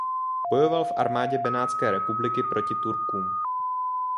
Bojoval v armádě benátské republiky proti Turkům.